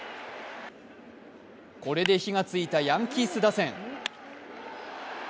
これで火がついたヤンキース打線。